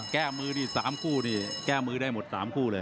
แก้มือนี่๓คู่นี่แก้มือได้หมด๓คู่เลย